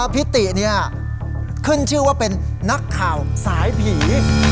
พี่ติขึ้นชื่อว่าเป็นนักข่าวสายผี